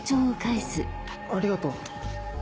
あっありがとう。